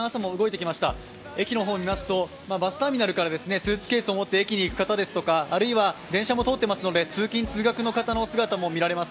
駅の方を見ますとバスターミナルからスーツケースを持って駅に行く方ですとかあるいは電車も通っていますので通勤・通学の方の姿も見えます。